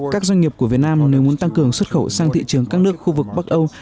các doanh nghiệp của việt nam nếu muốn tăng cường xuất khẩu sang thị trường các nước khu vực bắc âu